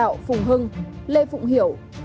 lãnh đạo phùng hưng lê phụng hiểu